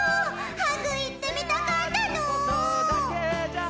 ハグ行ってみたかったの！